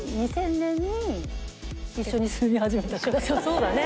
そうだね。